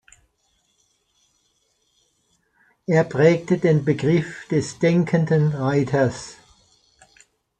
Er prägte den Begriff des „denkenden Reiters“.